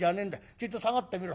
ちょいと下がってみろ。